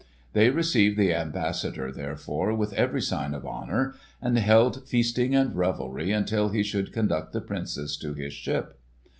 They received the ambassador, therefore, with every sign of honour, and held feasting and revelry until he should conduct the Princess to his ship.